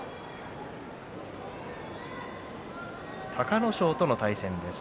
隆の勝との対戦です。